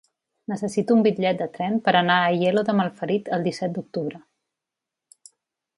Necessito un bitllet de tren per anar a Aielo de Malferit el disset d'octubre.